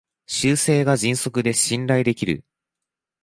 修正が迅速で信頼できる